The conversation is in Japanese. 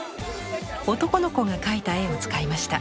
男の子が描いた絵を使いました。